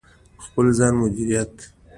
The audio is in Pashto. د خپل ځان مدیریت: